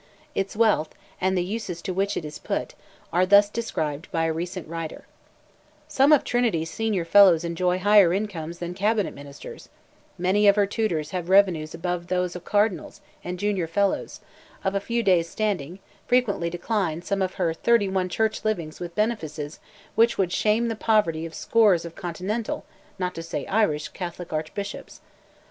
Its wealth, and the uses to which it is put, are thus described by a recent writer: "Some of Trinity's senior fellows enjoy higher incomes than Cabinet ministers; many of her tutors have revenues above those of cardinals; and junior fellows, of a few days' standing, frequently decline some of her thirty one church livings with benefices which would shame the poverty of scores of continental, not to say Irish, Catholic archbishops.